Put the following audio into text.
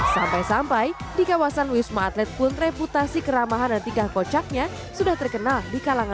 sampai sampai di kawasan wisma atlet pun reputasi keramahan dan tingkah kocaknya sudah terkenal di kalangan